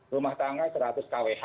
rumah tangga seratus kwh